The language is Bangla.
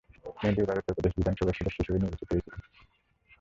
তিনি দুইবার উত্তরপ্রদেশ বিধানসভার সদস্য হিসেবে নির্বাচিত হয়েছিলেন।